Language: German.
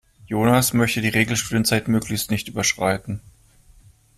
Jonas möchte die Regelstudienzeit möglichst nicht überschreiten.